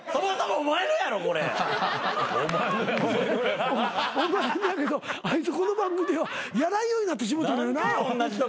お前のやけどあいつこの番組ではやらんようになってしもうたのよな。